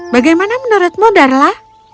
bagaimana menurutmu darla